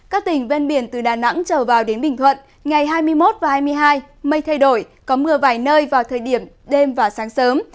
các tỉnh ven biển từ đà nẵng trở vào đến bình thuận ngày hai mươi một và hai mươi hai mây thay đổi có mưa vài nơi vào thời điểm đêm và sáng sớm